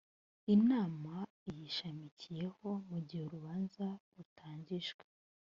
inama iyishamikiyeho mu gihe urubanza rutangijwe